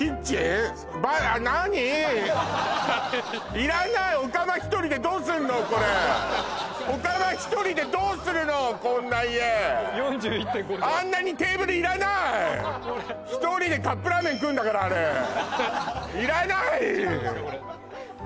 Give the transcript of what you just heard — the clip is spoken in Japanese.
いらないオカマ１人でどうすんのこれオカマ１人でどうするのこんな家４１．５畳あんなにテーブルいらない１人でカップラーメン食うんだからあれいらないキッチンどうですか